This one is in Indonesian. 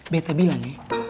beta bilang ya